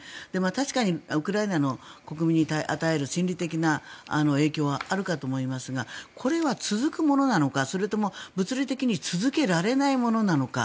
確かにウクライナの国民に与える心理的な影響はあるかと思いますがこれは続くものなのかそれとも物理的に続けられないものなのか。